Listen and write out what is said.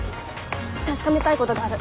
確かめたいことがある。